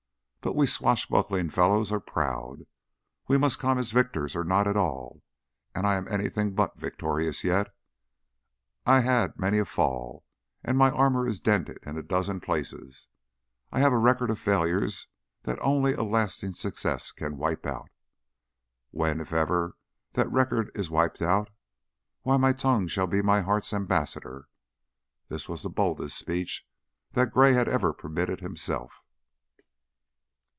But we swashbuckling fellows are proud; we must come as victors or not at all, and I am anything but victorious, yet. I've had many a fall, and my armor is dented in a dozen places. I have a record of failures that only a lasting success can wipe out. When, if ever, that record is wiped out, why my tongue shall be my heart's ambassador." This was the boldest speech that Gray had ever permitted himself.